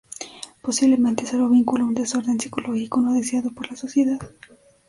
Posiblemente se lo vincula a un desorden psicológico no deseado por la sociedad.